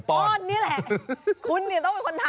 อ้อนนี่แหละคุณเนี่ยต้องเป็นคนทำ